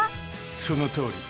そのとおり！